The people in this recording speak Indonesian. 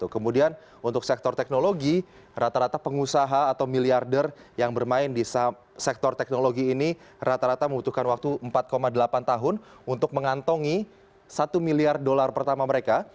kemudian untuk sektor teknologi rata rata pengusaha atau miliarder yang bermain di sektor teknologi ini rata rata membutuhkan waktu empat delapan tahun untuk mengantongi satu miliar dolar pertama mereka